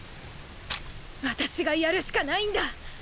私がやるしかないんだ！